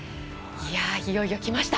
いよいよきました。